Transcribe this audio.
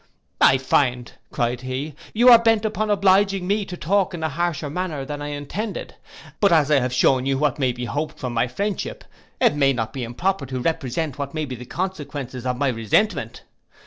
'I find,' cried he, 'you are bent upon obliging me to talk in an harsher manner than I intended. But as I have shewn you what may be hoped from my friendship, it may not be improper to represent what may be the consequences of my resentment.